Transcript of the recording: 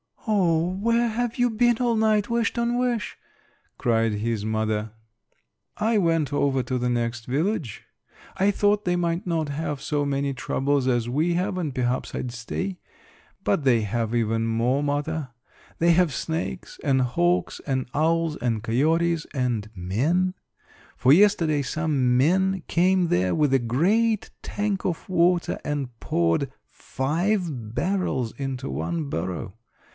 "O, where have you been all night, Wish ton wish?" cried his mother. "I went over to the next village; I thought they might not have so many troubles as we have and perhaps I'd stay. But they have even more, mother; they have snakes and hawks and owls and coyotes and men, for yesterday some men came there with a great tank of water and poured five barrels into one burrow.